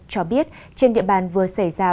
cho biết trên địa bàn vừa xảy ra